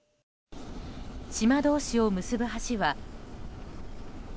島同士を結ぶ橋は。